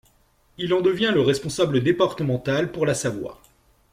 Il en devient le responsable départemental pour la Savoie.